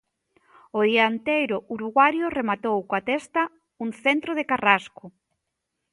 O dianteiro uruguaio rematou coa testa un centro de Carrasco.